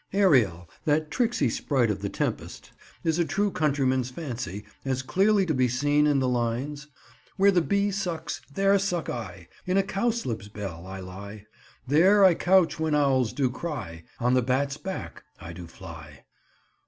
Ariel, that tricksy sprite of The Tempest, is a true countryman's fancy, as clearly to be seen in the lines— "Where the bee sucks, there suck I, In a cowslip's bell I lie; There I couch when owls do cry, On the bat's back I do fly."